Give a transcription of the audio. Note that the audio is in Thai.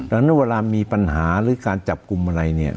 ดังนั้นเวลามีปัญหาหรือการจับกลุ่มอะไรเนี่ย